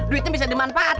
duitnya bisa dimanfaatin